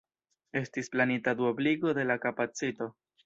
Estis planita duobligo de la kapacito.